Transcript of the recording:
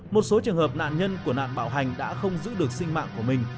một số trường hợp nạn nhân của nạn bạo hành đã không giữ được sinh mạng của mình